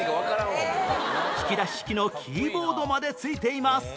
引き出し式のキーボードまで付いています